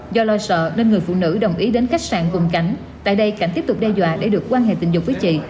do lo sợ nên người phụ nữ đồng ý đến khách sạn vùng cảnh tại đây cảnh tiếp tục đe dọa để được quan hệ tình dục với chị